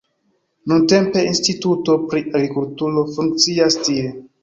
Nuntempe instituto pri agrikulturo funkcias tie.